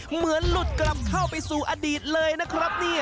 เหมือนหลุดกลับเข้าไปสู่อดีตเลยนะครับเนี่ย